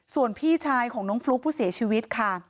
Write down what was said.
ส่วนพี่ชายของน้องฟลุ๊กผู้เสียชีวิตค่ะ